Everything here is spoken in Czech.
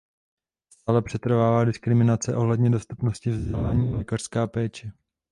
Stále přetrvává diskriminace ohledně dostupnosti vzdělání a lékařské péče.